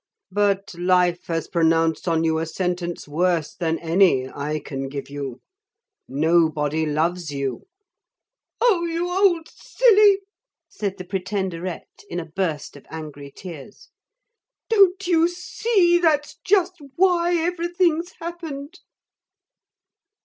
But life has pronounced on you a sentence worse than any I can give you. Nobody loves you.' 'Oh, you old silly,' said the Pretenderette in a burst of angry tears, 'don't you see that's just why everything's happened?'